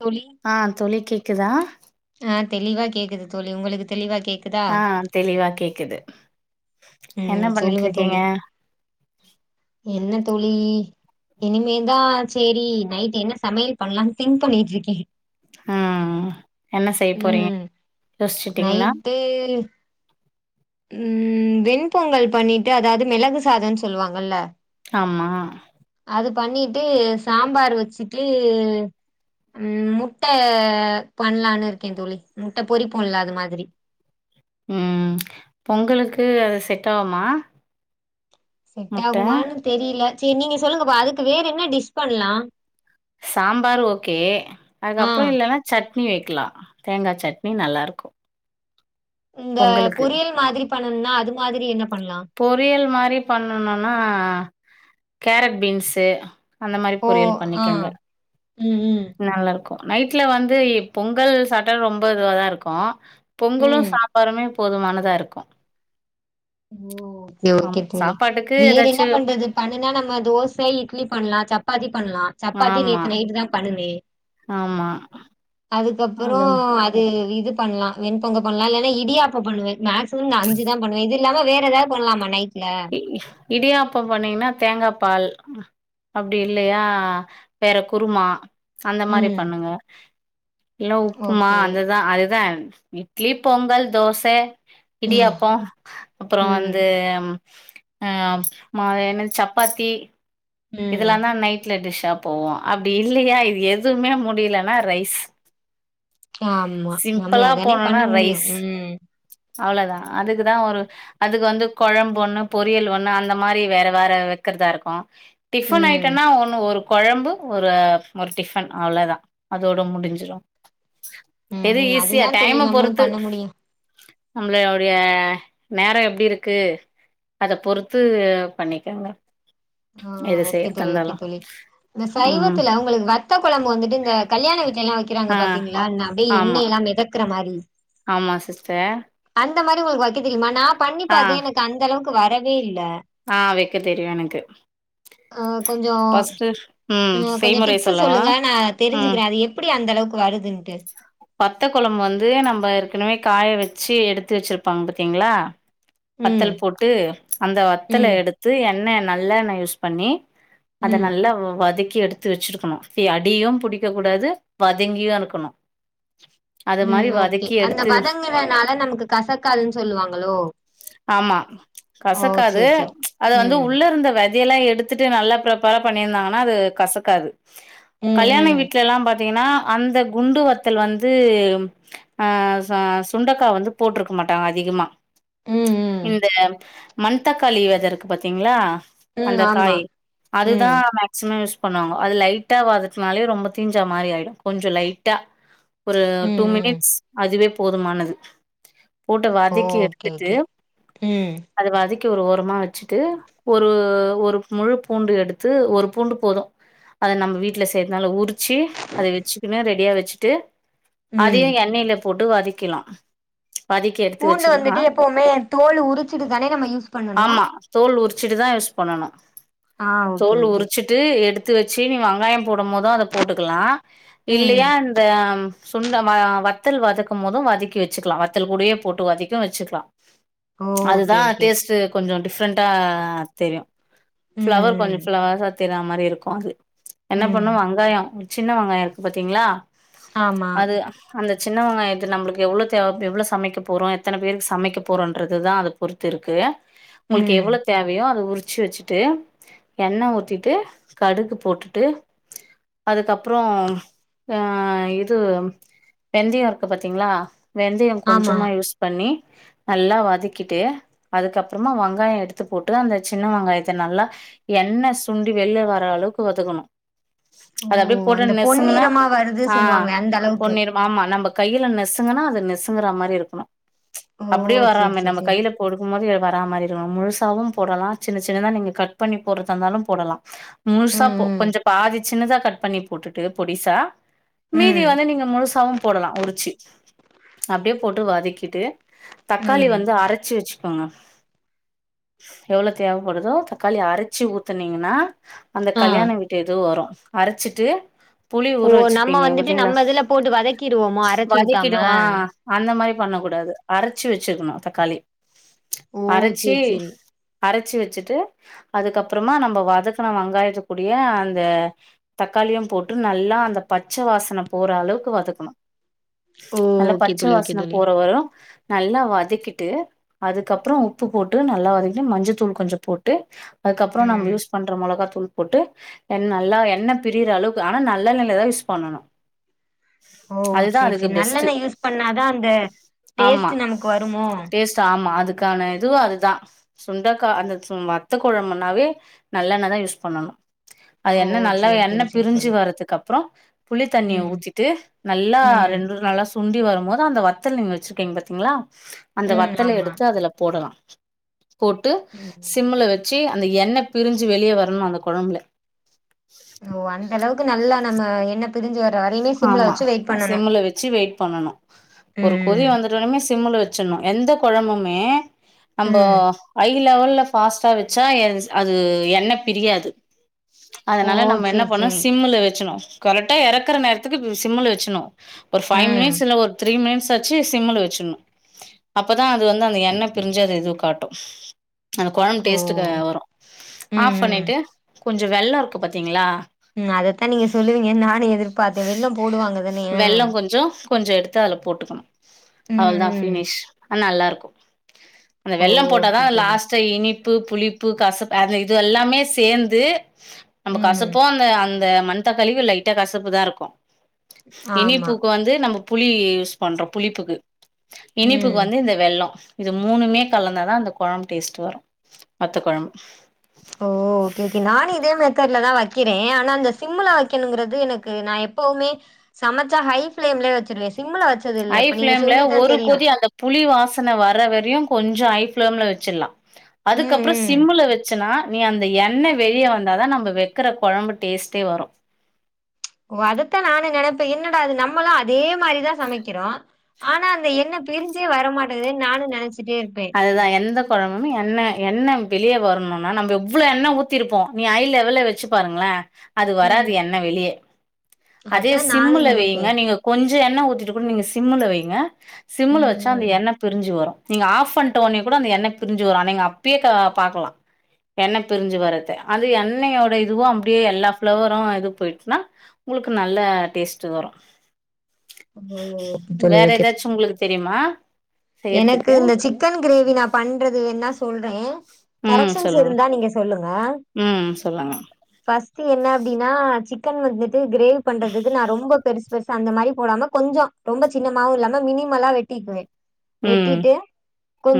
தோழி ஆ தோழி கேக்குதா ஆ தெளிவா கேக்குது தோழி உங்குளுக்கு தெளிவா கேக்கு ஆ தெளிவா கேக்குது என்ன ம் சொல்லுங்க பண்ணிட்ருக்கீங்க தோழி என்ன தோழி யீ இனிமேதா சேரி நைட்டு என்ன சமையல் பண்லானு திங்க் பண்ணிட்டு இருக்கே ம் என்ன செய்ய போறீங்க ம் யோசிச்சுட்டீங்களா நைட்டு ம் வெண்பொங்கல் பண்ணீட்டு அதாது மெளகு சாதன்னு சொல்லுவாங்கல்ல ஆமா அது பண்ணீட்டு சாம்பார் வச்சிட்டு ம் முட்ட பண்லான்னு இருக்கே தோழி முட்ட பொறிப்போல அது மாதிரி ம் பொங்கலுக்கு அது செட் ஆவுமா செட் முட்ட ஆகுமானு தெரில சேரி நீங்க சொல்லுங்க இப்ப அதுக்கு வேற என்ன டிஷ் பண்லா சாம்பார் ஓகே ஆ அதுக்கப்றோ இல்லன்னா சட்னி வைக்லா தேங்கா சட்னி நல்லாருக்கு, இந்த பொங்கலுக்கு பொரியல் மாதிரி பண்ணணுனா அது மாதிரி என்ன பண்லா பொரியல் மாரி பண்ணனுன்னா கேரட் பீன்ஸு அந்த மாரி ஓ! பொரியல் ஆ. பண்ணிக்கங்க, ம், ம் நல்லாருக்கு நைட்ல வந்து பொங்கல் சாப்ட்டா ரொம்ப இதுவாதா இருக்கு பொங்கலு ம். சாம்பாருமே போதுமானதா இருக்கு, ஓகே ஆமா ஓகே தோழி. சாப்பாட்டுக்கு வேற ஏதாச்சு என்ன பண்றது பண்ணுனா நம்ப தோச இட்லி, பண்லா சப்பாத்தி பண்லா, சப் பாத்தி ஆமா நேத்து நைட்டுதா பண்ணுனே ஆமா அதா அதுக்கப்புறம் அது இது பண்லா வெண்பொங்க பண்லா இல்லனா இடியாப்போ பண்ணுவே மேக்சிமம் இந்த அஞ்சிதா பண்ணுவே இது இல்லாம வேற எதாது பண்லாமா நைட்ல இ இடியாப்போ பண்ணீங்கனா தேங்காப்பால் அப்டி இல்லயா வேற குருமா அந்த மாரி ம். பண்ணுங்க, இல்ல உப்புமா ஓகே. அந்ததா அதுதா இட்லி, பொங்கல், தோச, ம். இடியாப்போ அப்றோ வந்து ஆ மா என்னது சப்பாத்தி ம். இதுலாந்தா நைட்ல டிஷ்ஷா போவு அப்டி இல்லயா இது எதுமே முடிலனா ரைஸ் ஆமா நம்ப சிம்பிளா அதானே பண்ண போணுன்னா முடியு, ரைஸ் ம். அவ்ளோதா அதுக்குதா ஒரு அதுக்கு வந்து கொழம்பு ஒண்ணு, பொரியல் ஒண்ணு, அந்த மாரி வேற வேற வெக்கறதா இருக்கு டிஃபன் ம். ஐட்டம்னா ஒன்னு ஒரு கொழம்பு ஒரு ஒரு டிஃபன் அவ்ளோதா அதோட முடிஞ்சிடு, எது ம். ஈஸியா அதுதான் தோழி டைம்ம நம்மளும் பொறுத்து பண்ண முடியும். நம்பளயோடைய நேர எப்டி இருக்கு அத பொறுத்து பண்ணிக்கங்க ஆ எது ஓகே செய்யறதா தோழி, ஓகே இருந்தாலு தோழி, இந்த ம் சைவத்துல ஒங்ளுக்கு வ த்த கொழம்பு வந்துட்டு இந்த கல்யாண வீட்லலா வக்கிறாங்க ஆ பாத்தீங்ளா ந அப்டியே ஆமா எண்ணயெல்லா மெதக்கற மாரி ஆமா சிஸ்டர், அந்த மாரி ஒங்களுக்கு வக்க தெரிமா நா ஆ பண்ணிபாத்தே எனக்கு அந்த அளவுக்கு வரவே இல்ல ஆ வெக்க தெரியு எனக்கு ஆ, கொஞ்சோ ஃபஸ்ட்டு ம் ஆ கொஞ்சோ செய்முறை டிப்ஸ் சொல்லவா சொல்லுங்க நா ம் தெரிஞ்சுக்கிற அது எப்படி அந்தளவுக்கு வருதுன்ட்டு வத்த கொழம்பு வந்து நம்ம ஏற்கனவே காய வச்சு எடுத்து வச்சிருப்பாங்க பாத்தீங்ளா ம் வத்தல் போட்டு அந்த வத்தல ம் எடுத்து எண்ணெ நல்லெண்ண யூஸ் பண்ணி அத ம் நல்ல வதக்கி எடுத்து வச்சிருக்கணு எப்டி அடியு புடிக்க கூடாது வதங்கியு இருக்கணு ம் ஓகே அந்த எடுத்து வதங்கிறனால நமக்கு கசக்கிதுனு சொல்லுவாங்ளோ ஆமா கசக்காது சேரி அது வந்து ம் உள்ள இருந்த வெ தை எல்லா எடுத்துட்டு நல்லா பிராப்பரா பண்ணியிருந்தாங்கனா அது கசக்காது ம் கல்யாண ம் வீட்ல எல்லா பாத் திங்ன்னா அந்த குண்டு வத் தல் வந்து ஆ ச சுண்டக்கா வந்து போட்ருக்க மாட்டாங்க அதிகமா ம் ம் இந்த மண்தக்காளி வெத இருக்கு பாத்தீங்களா ம் அந்த ஆமா காய் அதுதா ம் மேக் ஸிமம் யூஸ் பண்ணுவாங்க அது லைட்டா வாதக்னாலே ரொம்ப தீஞ்சா மாரி ஆயிடு கொஞ்சோ லைட்டா ஒரு டூ ம் ம் மினிட்ஸ் அதுவே போதுமானது போட்டு ஓ வதக்கி ஓகே எடுத்துட்டு ஓகே ம் அத வதக்கி ஒரு ஓரமா வச்சுட்டு ஒரு ஒரு முழு பூண்டு எடுத்து ஒரு பூண்டு போதும் அத நம்ம வீட்டுல செய்யறதுனால உரிச்சி அத வச்சுக்குணு ரெடியா வச்சு ட்டு ம் அதையு எண்ணெயில போட்டு வதக்கிலாம் வதக்கி எடுத்து பூண்டு வச்சுக்கலா வந்துட்டு எப்பவுமே தோல் உறிச்சிட்டு தானே நம்ம யூஸ் பண்ணணும் ஆமா தோல் உரிச்சிட்டு தா யூஸ் பண்ணனு ஆ ஓகே ஓகே ட்டு எடுத்து வச்சு நீ வெங்காயோ போடும் போதும் அத போட்டுக்கலா ம் இல்லையா நம் சுண்ட ம ஆ வத்தல் வதக்கும் போதும் வதக்கி வச்சுக்கலா வத்தல் கூடையே போட்டு வதக்கியு வச்சுக்கலா ஓ ஓகே அதுதா ஓகே டேஸ்ட்டு கொஞ்சோ டிஃப்ரெண்ட்டா ஆ தெரியும் ஃப்ளவர் கொஞ்சோ ம் ம் ஃப்ளவர்ஸா தெரிய மாரி இருக்கும் அது என்ன ம் பண்ணும் வெங்காயோ சின்ன வெங்காயம் இருக்கு பாத்தீங்களா ஆமா அது அந்த சின்னவெங்காயத்து நம்மளுக்கு எவ்ளோ தேவ எவ்ளோ சமைக்க போறோ எத்தன பேருக்கு சமைக்க போறன்றதுதா அது பொறுத்து இருக்கு உங்களுக்கு ம் எவ்வள தேவையோ அத உரிச்சு வச்சுட்டு எண்ண ஊத்திட்டு கடுகு போட்டுட்டு அதுக்கப்றோ ஆ இது வெந்தயோ இருக்கு பாத்தீங்களா வெந்தயோ ஆமா கொஞ்சமா யூஸ் பண்ணி நல்லா வதக்கிட்டு அதுக்கப்றமா வங்காயோ எடுத்து போட்டு அந்த சின்ன வெங்காயத்த நல்லா எண்ண சுண்டி வெளில வர அளவுக்கு வதக்கணும் அது அப்டியே போட்ட நெசுங்கன்னா ஆ வருது ஸ் ஆ பொண்ணிறமா ஆமா நம்ம கையில நெசுங்கனா அது நெசுங்கற மாரி இருக்கணும் ஓ அப்டியே சேரி வராம சேரி நம்ம சேரி கையில போடுக்கும் போது வரா மாதிரி இருக்கணும் முழுசாவும் போடலா சின்ன சின்னதா நீங்க கட் பண்ணி போடுறதா இருந்தாலும் போடலா முழுசா போ ம் ம் கொஞ்ச பாதி சின்னதா கட் பண்ணி போட்டுட்டு பொடிசா மீதி ம் வந்து நீங்க முழுசாவும் போடலா உரிச்சி அப்படியே போட்டு வதக்கிட்டு தக்காளி ம் வந்து அரைச்சு வச்சு கொங்க எவ்வளோ தேவப்படுதோ தக்காளி அரைச்சு ஊத்துனீங்கனா அந்த ஆ கல்யாண வீட்டு எதும் வரும் அரைச்சிட்டு புளி ஓ ஊற வச்சு நம்ம வப்பீங்க வந்துட்டு பாத்தீங்களா நம்ம இதுல போட்டு வதக்கிருவோமோ அரச்சு ஊத்தாம வதக்கிடவா அந்த மாரி பண்ண கூடாது அரைச்சு வச்சிருக்கணும் தக்காளி ஓ அரைச்சி சேரி சேரி அரைச்சு வச்சுட்டு அதுக்கப்றமா நம்ம வதக்கண வெங்காயத்துக்கூடியே அந்த தக்காளியும் போட்டு நல்லா அந்த பச்ச வாசன போற அளவுக்கு வதக்கணும் ஓ நல்ல ஓகே பச்ச தோழி ஓகே வாசன தோழி போற வரும் நல்லா வதக்கிட்டு அதுக்கப்றோ உப்பு போட்டு நல்லா வதக்கி மஞ்சத்தூள் கொஞ்சோ போட்டு அதுக்கப்றோ நம் ம் யூஸ் பண்ற மொளகா தூள் போட்டு எண் நல்லா எண்ண பிரிற அளவுக்கு ஆனா நல்லெண்ணெல தா யூஸ் பண்ணனு ஓ சேரி சேரி நல்லெண்ண யூஸ் பண்ணாதா அந்த ஆமா டேஸ்ட்டு நமக்கு வருமோ டேஸ்ட் ஆமா அதுக்கான இதுவு அதுதா சுண்டக்கா அந்த சு வத்த கொழம்புன்னாவே நல்லெண்ணாதா யூஸ் பண்ணணு அது ஓ எண்ண நல்லா சேரி எண்ண தோழி சேரி பிரிஞ்சு தோழி வர்றத்துக்கு அப்றோ புளி தண்ணிய ம் ஊத்திட்டு நல்லா ம் ரெண்டு நாளா சுண்டி வரும் போது அந்த வத்தல் நீங்க வச்சிருக்கீங்க பாத்தீங்ளா அந்த ம் வத்தல ஆமா எடுத்து அதுல போடலா போட்டு ம் சிம்முல வச்சு அந்த எண்ண பிரிஞ்சு வெளிய வரணு அந்த கொழம்புல ஓ அந்த அளவுக்கு நல்லா நம்ம எண்ண பிரிஞ்சு வர ஆமா சிம்முல வச்சு வெயிட் பண்ணணோ ஒரு கொதி ம் வந் துனுமே சிம்முல வச்சுணோ எந்த கொழம்புமே நம்போ ம் ஹை லெவல்ல ஃபாஸ்ட்டா வச்சா அ அது எண்ண பிரியாது ஓ அதனால நம்ம என்ன சேரி பண்ணு சேரி சிம்முல வச்சுணோ கரெக்டா எறக்குற நேரத்துக்கு சிம்முல வச்சுணோ ஒரு ஃபைவ் ம் மினிட்ஸ் இல்ல ஒரு த்ரீ மினிட்ஸ் வச்சு சிம்முல வச்சுணோ அப்பதா அது வந்து அந்த எண்ணெ பிரிஞ்ச அது இது காட்டு அந்த கொழம் ஓ டேஸ்டுக்கு வரு ஆஃப் ம் பண்ணிட்டு கொஞ்சோ வெல்லோ இருக்கு பாத்தீங்களா ம் அதத்தா நீங்க சொல்லுவீங்க நானு எதிர்பாத்த வெல்லம் போடுவாங்க தானேய வெல்லோ கொஞ்சோ கொஞ்சோ எடுத்து அதுல போட்டுக்கணோ அவ்ள ம் தா ம் ஃபினிஷ் அன் நல்லா இருக்கோ அந்த ஓ வெல்லம் போட்டாதா ஓகே தோழி லாஸ்ட்டா இனிப்பு புளிப்பு கசப் அந்த இது எல்லாமே சேந்து நம்ப ம் கசப்போ அந்த அந்த மண் தக்காளியு லைட்டா கசப்பு தா இருக்கோ ஆமா இனிப்புக்கு வந்து நம்ப புளி யூஸ் பண்றோ புளிப்புக்கு ம் இனிப்புக்கு வந்து இந்த வெல்லோ இது மூணுமே கலந்தாதா அந்த கொழம்பு டேஸ்ட்டு வரு வத்த கொழம்பு ஓ ஓகே ஓகே நானு இதே மெத்தட்ல தா வெக்கிற ஆனா அந்த சிம்முல வெக்கணுங்றது எனக்கு நா எப் போவுமே சமச்சா ஹை ஃப்ளேம்லே வச்சிருவே சிம்முல வச் ஐ ஃப்ளேம்ல ஒரு கொதி அந்த புளி வாசன வர வரையு கொஞ்சோ ஹை ஃப்ளேம்ல வச்சிலா ம் அதுக்கப்புற ம் சிம்முல வச்சனா நீ அந்த எண்ணெ வெளிய வந்தா தா நம்ம வெக்கிற கொழம்பு டேஸ்ட்டே வரு ஓ அதுதா நானு நெனப்ப என்னடா அது நம்மளு அதே மாரிதா சமைக்கிறோ ஆனா அந்த எண்ணெ பிரிஞ்சே வரமாட்டேதேன் நானு நெனச்ச அதுதா எந்த கொழபுமே எண்ண எண்ண வெளிய வரணுனா நம்ம எவ்ளோ எண்ண ஊத்திருப்போ நீ ஐ லெவல்ல வெச்சு பாருங்ள அது வராது ம் எண்ண வெளிய அதே அதா நானு சிம்முல நெனைப்பே வெய்ங்க நீங்க கொஞ்சோ எண்ண ஊத்திட்டு கூட நீங்க சிம்முல வைங்க சிம்முல ம் வச்சா அந்த ம் எண்ணெ பிரிஞ்சி வரோ நீங்க ஆஃப் பண்ட்ட ஒன்னே கூடோ அந்த எண்ண பிரஞ்சு வரோ நீங்க அப்பயே பாக்கலா எண்ண பிரிஞ்சி வர்றத அது எண்ணெயோட இதுவு அப்டியே எல்லா ஃப்ளவரும் இது போயிச்னா உங்ளுக்கு நல்லா டேஸ்ட்டு வரு ஓ ஓகே தோழி வேற ஓகே ஏதாச்சு உங்ளுக்கு தெரிம்மா எனக்கு இந்த சிக்கன் கிரேவி நா பண்றது வேன்ன சொல்றே ம் கரெக்ஷன்ஸ் சொல்லுங்க இருந்தா நீங்க சொல்லுங்க ம் சொல்லுங்க ஃபர்ஸ்ட்டு என்ன அப்டின்னா சிக்கன் வந்துட்டு கிரேவி பண்றதுக்கு நா ரொம்ப பெருஸ் பெருஸ் அந்த மாரி போடாம கொஞ்சோ ரொம்ப சின்னமாவு இல்லாம மினிமலா வெட்டிக்குவ ம் வெட்டிட்டு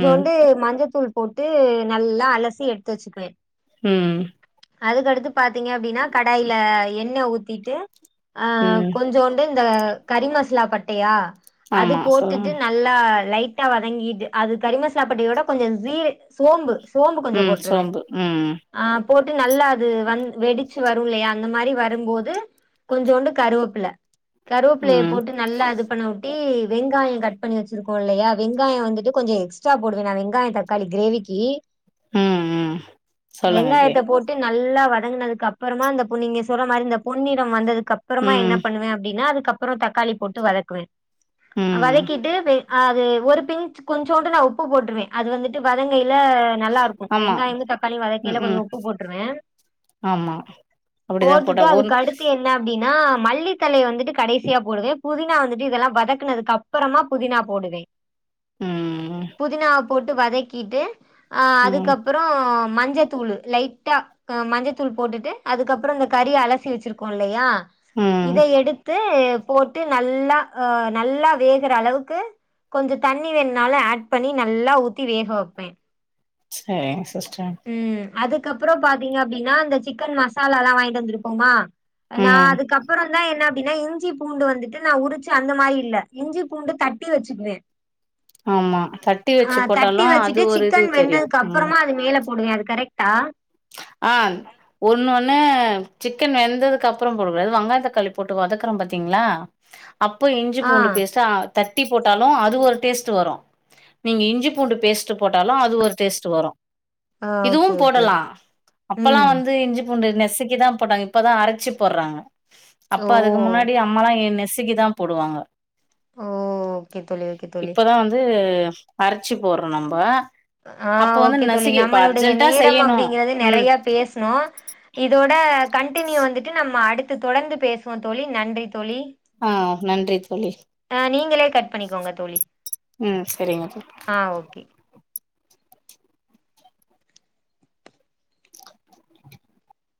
ம் மஞ்சத்தூள் போட்டு நல்லா அலசி எத்து வச்சுக்குவ ம் அதுக்கடுத்து பாத்தீங்க அப்டின்னா கடாயில எண்ணெய் ஊத்திட்டு அ ம் கொஞ்சோண்டு இந்த கரிமசாலா பட்டையா அது ஆமா போட்டுட்டு சொல்லுங்க நல் லா லைட்டா வதங்கிட்டு அது கரிமசாலா பட்டயோட கொஞ்சோ ஜீர் சோம்பு சோம்பு கொஞ்சோ ம் போட்ருவ சோம்பு ம் ஆ போட்டு நல்லா அது வந் வெடிச்சு வரு இல்லையா அந்த மாதிரி வரும்போது கொஞ்சோண்டு கருவேப்புல கருவேப்பிலய ம் போட்டு நல்லா இது பண்ண விட்டி வெங்காய கட் பண்ணி வச்சிருக்கோ இல்லையா வெங்காயம் வந்துட்டு.. கொஞ்சம் எக்ஸ்ட்ரா போடுவேன் நானு! வெங்காயம், தக்காளி கிரேவிக்கு... ம் ம் சொல்லுங்க கே வெங்காயத்த போட் டு நல்லா வதங்கினதுக்கு அப்பறமா... நீங்க சொல்ற மாரி இந்த பொன்னிறம் வந்தது... அப்பறமா என்ன ம் பண்ணுவேன் அப்டின்னா அதுக்கப் பறம் தக்காளி போட்டு வதக்குவேன். ம் வதக்கிட்டு வே அது ஒரு பி்ன்ச் கொஞ்சோண்டு நா உப்பு போட்டுருவேன் அது வந்துட்டு... டு வதங்கையில நல்லாருக்கும் ஆமா வெங்காயமு, தக்காளியும் வதங்கைல ம்ம் கொஞ்சம் உப்பு போட்ருவேன் ஆமா அப்டிதா போட்டா போட்டுட்டு ஒன் அதுக்கடுத்து என் என்ன அப்டின்னா... மல்லித்தலய வந்துட்டு கடைசியா போடுவேன்! புதினா வந்துட்டு இதெல்லாம் வதக்கனதுக்கு அப் அப்பறமா புதினா போடுவேன் ம் ம் புதினாவை போட்டு வதக்கிட்டு ஆ ம் அதுக்கப்பறோ மஞ்ச தூள் லைட்டா மஞ்சத்தூள் போட்டுட்டு அதுக்கப்பறம் இந்த கறிய அலசி வச்சிருக்கோம் இல்லையா ம் இத எடுத்து போட்டு நல்லா ஆ நல்லா வேகற அளவுக்கு கொஞ்சம் தண்ணி வேணும்னாலும் ஆட் பண்ணி நல்லா ஊத்தி வேக வப்பேன் சேர் சிஸ்டர் ம் அதுக்கப்பறம் பாத்தீங்க அப்டின்னா... இந்த சிக்கன் மசாலாலா வாங்கிட்டு வந்திருக்கோமா நா ம் அதுக்கப்பறம்தான் என்ன அப்டின்னா இஞ் இஞ்சி, பூண்டு வந்துட்டு நான் உரிச்சு அந்த மாரியில்ல, இஞ்சி, பூண்டு தட்டி வச்சுக்குவேன்! ஆமா தட்டி ஆ வச்சு தட்டி போட்டாலு அது வச்சுட்டு ஒரு இது சிக்கன் தெரியு வெந்ததுக்கு ம் அப்பறமா அது மேல... போடுவேன் அது கரெக்ட்டா ஆ ன் ஒண்ணு ஒண்ணு சிக்கன் வெந்ததுக்கு அப்புறம் போடகூடாது. வெங்காயம், தக்காளி போட்டு வதக்குறோம் பாத்தீங்களா அப்போ இஞ்சி, ஆ. பூண்டு பேஸ்ட்ட தட்டி போட்டாலும், அது ஒரு டேஸ்ட் வரும் நீங்க இஞ்சி, பூண்டு பேஸ்ட் போட்டாலும்.. அது ஒரு டேஸ்ட் வரும். ஆ ஓகே, இதுவும் ஓகே. போடலாம் அப்பெல்லாம் ம். வந்து இஞ்சி, பூண்டு நசுக்கிதான் போட்டாங்க. இப்பதான் அரைச்சு போடுறாங்க அப்ப ஓ! அதுக்கு முன்னாடி அம்மால்லாம் நசுக்கிதான் போடுவாங்க ஓ ஓகே தோழி ஓகே தோழி இப்பதா வந்து.. அரைச்சு போட்றோம் நம்ம.. ஆ ஓகே தோழி நம்மளுடைய நேரம் செய்யணு அப்டிங்கறது ம் நெறைய பேசனோ இதோட கண்டினியூ வந்துட்டு நம்ம அடுத்து தொடர்ந்து பேசுவோம் தோழி நன்றி தோழி ஆ நன்றி தோழி ஆ நீங்களே கட் பண்ணிக்கோங்க தோழி ம் சரிங்க தோழி ஆ.. ஓகே